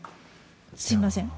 すみません。